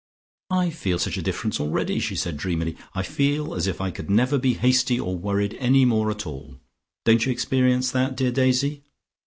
"I feel such a difference already," she said dreamily. "I feel as if I could never be hasty or worried any more at all. Don't you experience that, dear Daisy?"